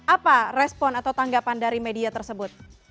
apa respon atau tanggapan dari media tersebut